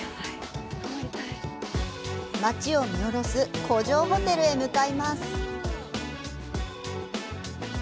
街を見下ろす古城ホテルへ向かいます。